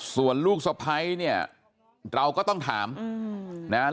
ส่วนลูกสะพ้ายเนี่ยเราก็ต้องถามนะฮะ